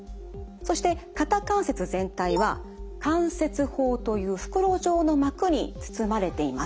そして肩関節全体は関節包という袋状の膜に包まれています。